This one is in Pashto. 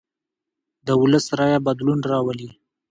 د ولس رایه بدلون راولي